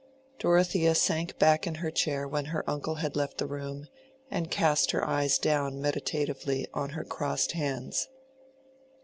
Dorothea sank back in her chair when her uncle had left the room, and cast her eyes down meditatively on her crossed hands.